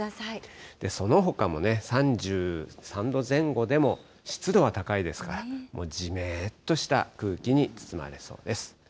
そのほかもね、３３度前後でも湿度は高いですから、じめっとした空気に包まれそうです。